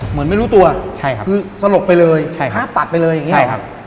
เหมือนไม่รู้ตัวสลบไปเลยคราบตัดไปเลยอย่างนี้หรอ